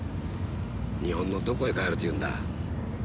日本のどこへ帰れというんだ。